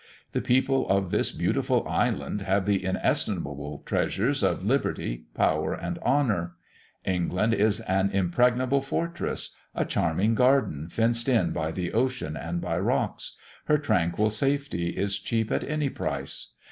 The people of this beautiful island have the inestimable treasures of liberty, power and honour. England is an impregnable fortress; a charming garden fenced in by the ocean and by rocks; her tranquil safety is cheap at any price!